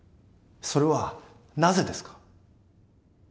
それはなぜですか？